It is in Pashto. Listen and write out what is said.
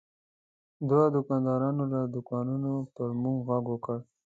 دوه دوکاندارانو له دوکانونو پر موږ غږ وکړ.